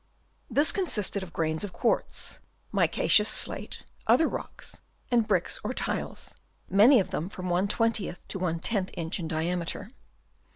This consisted of grains of quartz, micaceous slate, other rocks, and bricks or tiles, many of them from ^ to jL inch in diameter.